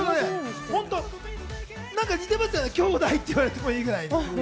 なんか似てますよね、きょうだいと言われてもいいくらい。